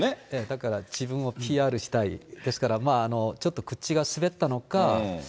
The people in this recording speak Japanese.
だから、自分をＰＲしたい、ですから、ちょっと口が滑ったのか。